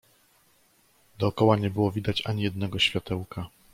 "Dokoła nie było widać ani jednego światełka."